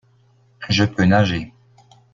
Je peux nager.